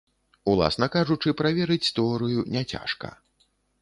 Уласна кажучы, праверыць тэорыю няцяжка.